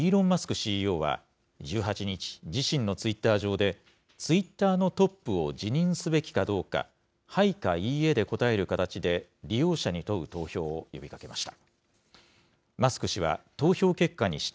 ＣＥＯは１８日、自身のツイッター上で、ツイッターのトップを辞任すべきかどうか、はいかいいえで答える形で利用者に問う投票を呼びかけました。